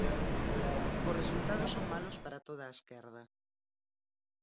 Os resultados son malos para toda a esquerda.